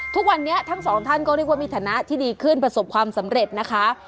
ทุกวันนี้ทั้งสองท่านก็เรียกว่ามีฐานะที่ดีขึ้นประสบความสำเร็จนะคะ